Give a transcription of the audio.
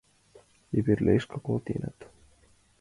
Эрвелышке колтеныт.